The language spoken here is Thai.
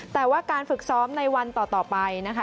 แต่ว่าการฝึกซ้อมในวันต่อไปนะคะ